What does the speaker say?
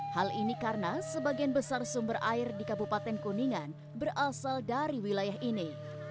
hal ini karena sebagian besar sumber air di kabupaten kuningan berasal dari wilayah ini